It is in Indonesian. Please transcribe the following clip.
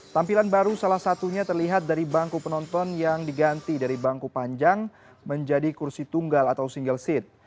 tampilan baru salah satunya terlihat dari bangku penonton yang diganti dari bangku panjang menjadi kursi tunggal atau single seat